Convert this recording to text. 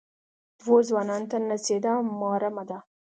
دوو ځوانان ته نڅېدا محرمه ده.